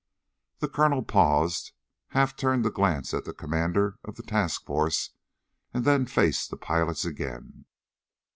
The colonel paused, half turned to glance at the commander of the task force, and then faced the pilots again.